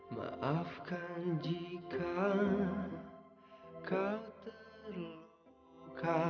maafkan jika kau terlalu